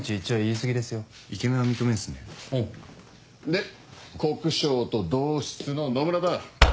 で国生と同室の野村だ。